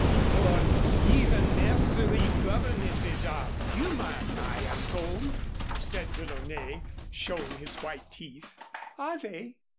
"But even nursery governesses are human, I am told," said DeLaunay, showing his white teeth. "Are they?